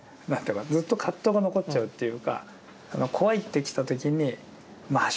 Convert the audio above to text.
ずっと葛藤が残っちゃうっていうか怖いって来た時にまあ怖いよね